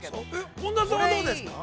◆本田さんはどうですか？